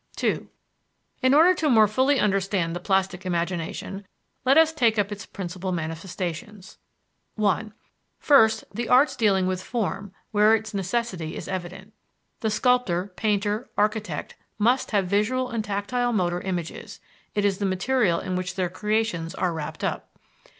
II In order to more fully understand the plastic imagination, let us take up its principal manifestations. 1. First, the arts dealing with form, where its necessity is evident. The sculptor, painter, architect, must have visual and tactile motor images; it is the material in which their creations are wrapped up.